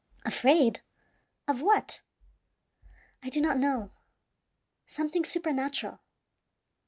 "Afraid! Of what?" "I do not know something supernatural.